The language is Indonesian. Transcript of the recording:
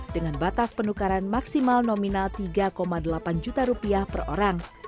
dengan batas penukaran maksimal nominal tiga delapan juta rupiah per orang